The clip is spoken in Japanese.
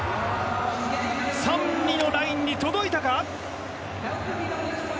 ３位のラインに届いたか？